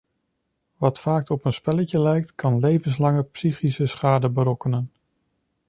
Wat vaak op een spelletje lijkt, kan levenslange psychische schade berokkenen.